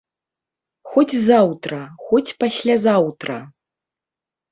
Хоць заўтра, хоць паслязаўтра!